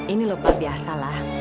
ini lupa biasa lah